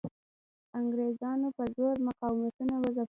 انګریزانو په زور مقاومتونه وځپل.